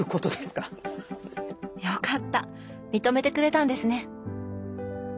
よかった認めてくれたんですね！